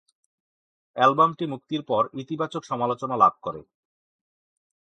অ্যালবামটি মুক্তির পর ইতিবাচক সমালোচনা লাভ করে।